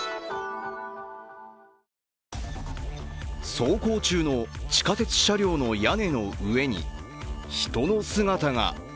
走行中の地下鉄車両の屋根の上に人の姿が。